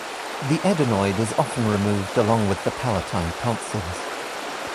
The adenoid is often removed along with the palatine tonsils.